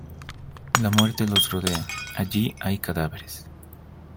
La muerte los rodea, allí hay cadáveres.